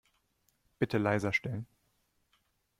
Bitte leiser stellen.